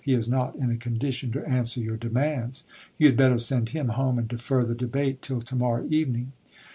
He is not in a condition to answer your demands. You had better send him home, and defer the debate till to morrow evening.